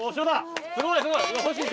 すごいすごい。